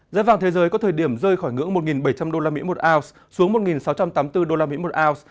giá vàng thế giới có thời điểm rơi khỏi ngưỡng một bảy trăm linh usd một ounce xuống một sáu trăm tám mươi bốn usd một ounce